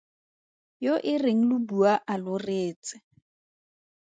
Yo e reng lo bua a lo reetse.